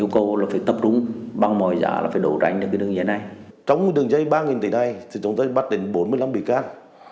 chúng ta bắt đến bốn mươi năm bị can